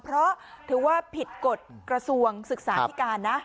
เพราะถือว่าผิดกฎกระทรวงศึกษาที่การนะ